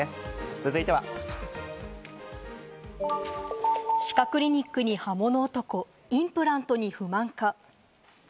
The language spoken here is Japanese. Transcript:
続いては。歯科クリニックに刃物男、インプラントに不満か。